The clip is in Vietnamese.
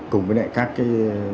cùng với lại các cái